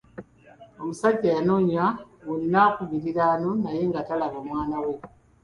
Omusajja yanoonya wonna ku miriraano naye nga talaba mwana we.